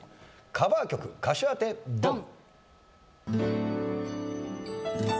カバー曲歌手当てドン！